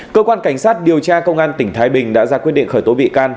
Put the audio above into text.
cơ quan cảnh sát điều tra công an tỉnh thái bình đã ra quyết định khởi tố bị can